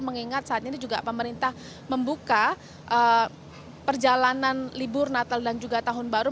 mengingat saat ini juga pemerintah membuka perjalanan libur natal dan juga tahun baru